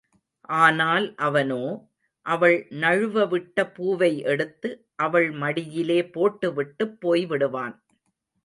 ஆனால் அவனோ, அவள் நழுவ விட்ட பூவை எடுத்து, அவள் மடியிலே போட்டுவிட்டுப் போய் விடுவான்.